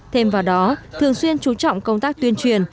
thêm vào đó thường xuyên chú trọng công tác tuyên truyền